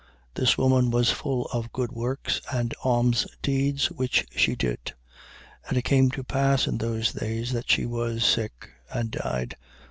This woman was full of good works and almsdeeds which she did. 9:37. And it came to pass in those days that she was sick and died.